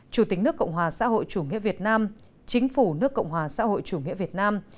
chủ tịch nước cộng hòa xã hội chủ nghĩa việt nam chính phủ nước cộng hòa xã hội chủ nghĩa việt nam